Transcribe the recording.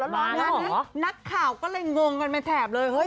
มาแล้วเหรอนักข่าวก็เลยงงกันไปแถบเลย